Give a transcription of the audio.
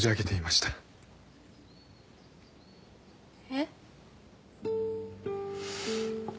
えっ。